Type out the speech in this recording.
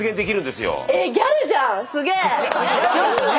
すげえ！